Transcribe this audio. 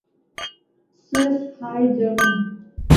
Swiss high German